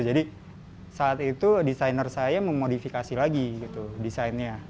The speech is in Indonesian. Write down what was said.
jadi saat itu designer saya memodifikasi lagi gitu designnya